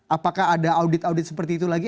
apakah ada audit audit seperti itu lagi